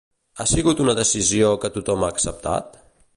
Ha sigut una decisió que tothom ha acceptat?